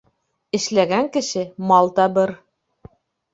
Эшләгән кеше мал табыр.